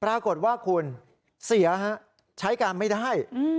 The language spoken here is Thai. ปรากฏว่าคุณเสียฮะใช้การไม่ได้